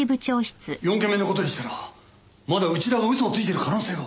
４件目の事でしたらまだ内田が嘘をついている可能性が。